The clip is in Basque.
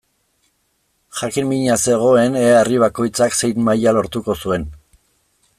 Jakin-mina zegoen ea herri bakoitzak zein maila lortuko zuen.